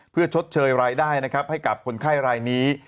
เพื่อชดเชยรายได้นะครับให้กับคนไข้รายนี้